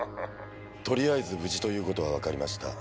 とりあえず無事という事はわかりました。